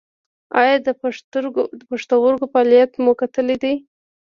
ایا د پښتورګو فعالیت مو کتلی دی؟